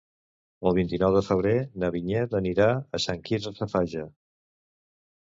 El vint-i-nou de febrer na Vinyet anirà a Sant Quirze Safaja.